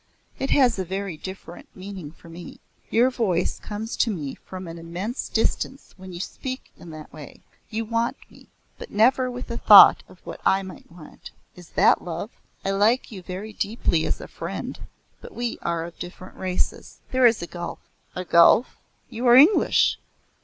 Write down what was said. It has a very different meaning for me. Your voice comes to me from an immense distance when you speak in that way. You want me but never with a thought of what I might want. Is that love? I like you very deeply as a friend, but we are of different races. There is a gulf." "A gulf? You are English."